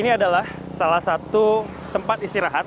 ini adalah salah satu tempat istirahat